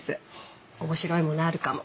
面白いものあるかも。